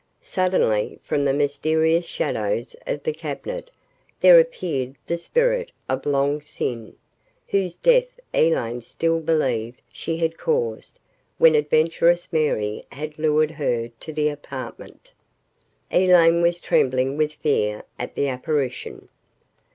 Suddenly, from the mysterious shadows of the cabinet, there appeared the spirit of Long Sin, whose death Elaine still believed she had caused when Adventuress Mary had lured her to the apartment. Elaine was trembling with fear at the apparition.